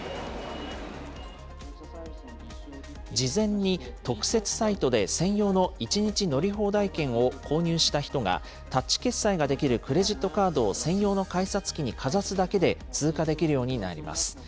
事前に特設サイトで専用の１日乗り放題券を購入した人が、タッチ決済ができるクレジットカードを専用の改札機にかざすだけで通過できるようになります。